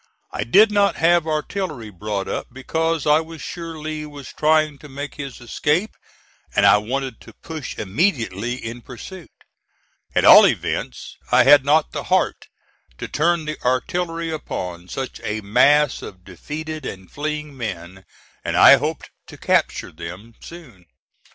I did not have artillery brought up, because I was sure Lee was trying to make his escape, and I wanted to push immediately in pursuit. At all events I had not the heart to turn the artillery upon such a mass of defeated and fleeing men, and I hoped to capture them soon.